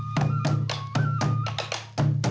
สวัสดีครับ